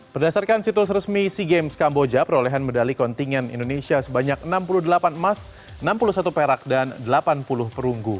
berdasarkan situs resmi sea games kamboja perolehan medali kontingen indonesia sebanyak enam puluh delapan emas enam puluh satu perak dan delapan puluh perunggu